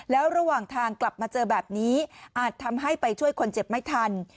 แล้วระหว่างทางกลับมาเจอแบบนี้อาจทำให้ไปช่วยคนเจ็บไม่ทัน